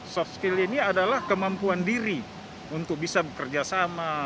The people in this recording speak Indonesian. soft skill ini adalah kemampuan diri untuk bisa bekerja sama